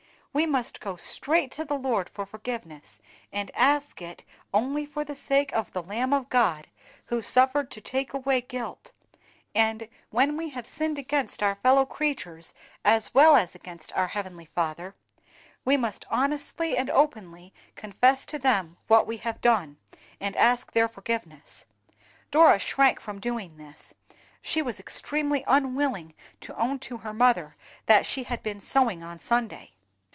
We must go straight to the Lord for forgiveness, and ask it only for the sake of the Lamb of God, who suffered to take away guilt; and when we have sinned against our fellow creatures, as well as against our Heavenly Father, we must honestly and openly confess to them what we have done, and ask their forgiveness. Dora shrank from doing this; she was extremely unwilling to own to her mother that she had been sewing on Sunday.